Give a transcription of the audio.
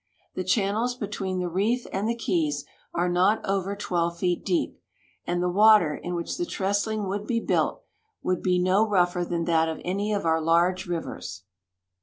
The channels between the reef and the keys are not over 12 feet deep, and the water in which the trestling would be built would be no rougher than that of any of our large rivers.